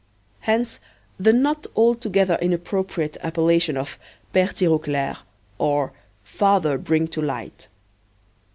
Hence, the not altogether inappropriate appellation of "Pere Tirauclair," or "Father Bring to Light."